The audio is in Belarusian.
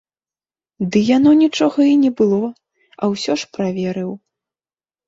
Ды яно нічога і не было, а ўсё ж праверыў.